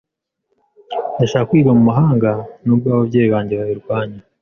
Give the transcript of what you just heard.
Ndashaka kwiga mu mahanga, nubwo ababyeyi banjye babirwanya.